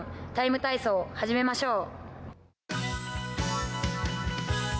ＴＩＭＥ，体操」を始めましょう。